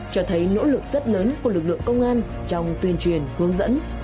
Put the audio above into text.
cho thấy nỗ lực rất lớn của lực lượng công an trong tuyên truyền hướng dẫn